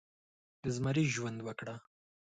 د زمري ژوند وکړه